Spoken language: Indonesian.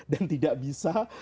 dan tidak ada alasan untuk kabur